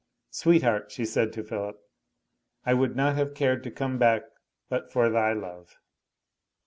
"Sweetheart," she said to Philip, "I would not have cared to come back but for thy love."